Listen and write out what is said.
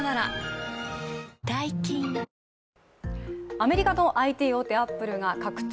アメリカのＩＴ大手アップルが拡張